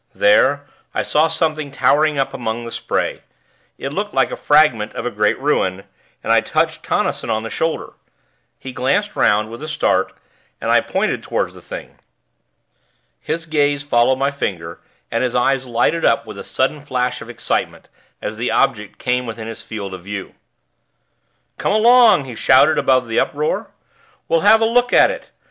There, I saw something towering up among the spray: it looked like a fragment of a great ruin, and I touched Tonnison on the shoulder. He glanced 'round, with a start, and I pointed toward the thing. His gaze followed my finger, and his eyes lighted up with a sudden flash of excitement, as the object came within his field of view. "Come along," he shouted above the uproar. "We'll have a look at it.